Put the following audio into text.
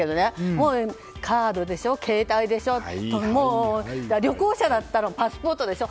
もうカードでしょ、携帯でしょ旅行者だったらパスポートでしょ。